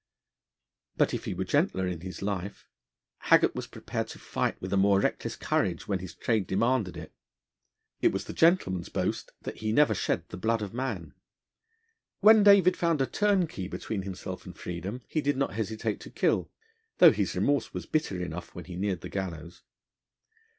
But if he were gentler in his life, Haggart was prepared to fight with a more reckless courage when his trade demanded it. It was the Gentleman's boast that he never shed the blood of man. When David found a turnkey between himself and freedom, he did not hesitate to kill, though his remorse was bitter enough when he neared the gallows.